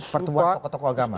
pertemuan tokoh tokoh agama